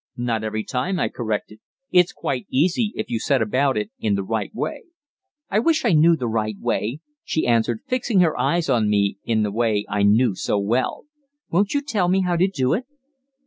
"Not every time," I corrected. "It's quite easy if you set about it in the right way." "I wish I knew the right way," she answered, fixing her eyes on me in the way I knew so well. "Won't you tell me how you do it?"